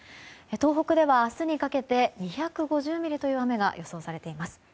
東北では明日にかけて２５０ミリという雨が予想されています。